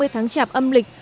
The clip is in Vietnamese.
ba mươi tháng chạp âm lịch